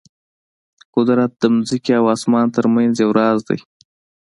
قدرت د ځمکې او اسمان ترمنځ یو راز دی.